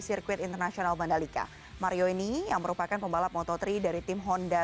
sirkuit internasional mandalika mario ini yang merupakan pembalap moto tiga dari tim honda